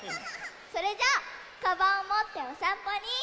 それじゃあカバンをもっておさんぽに。